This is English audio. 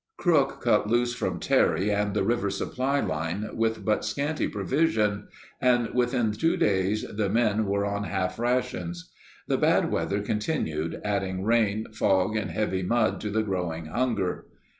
Crook cut loose from Terry and the river supply line with but scanty provisions, and within two days the men were on half rations. The bad weather continued, adding rain, fog, and heavy mud to the growing hunger.